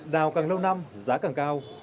đào càng lâu năm giá càng cao